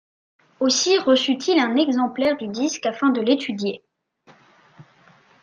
Aussi reçut-il un exemplaire du disque afin de l'étudier.